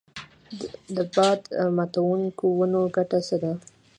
د باد ماتوونکو ونو ګټه څه ده؟